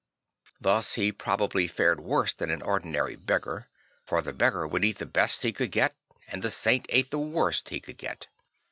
Thus he probably fared worse than an ordinary beggar; for the beggar would eat the best he could get and the saint ate the worst he could get.